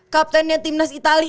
kaptennya timnas itali